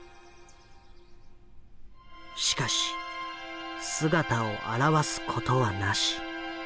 しかし姿を現すことはなし。